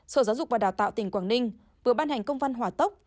sở giáo dục và đào tạo tỉnh quảng ninh vừa ban hành công văn hỏa tốc